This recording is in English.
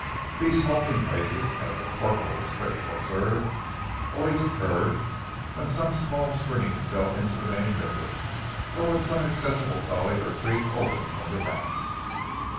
These halting places, as the corporal was quick to observe, always occurred when some small stream fell into the main river, or when some accessible gully or creek opened from the banks.